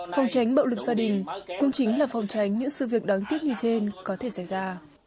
phòng tránh bạo lực gia đình cũng chính là phòng tránh những sự việc đáng tiếc như trên có thể xảy ra